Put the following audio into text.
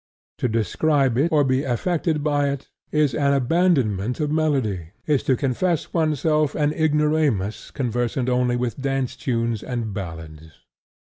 To describe it, or be affected by it, as an abandonment of melody, is to confess oneself an ignoramus conversant only with dance tunes and ballads.